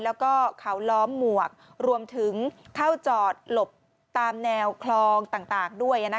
แล้วก็เขาล้อมหมวกรวมถึงเข้าจอดหลบตามแนวคลองต่างด้วย